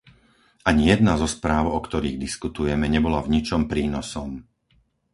Ani jedna zo správ, o ktorých diskutujeme, nebola v ničom prínosom.